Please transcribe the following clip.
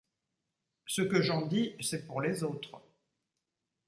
Ce que j’en dis, c’est pour les autres…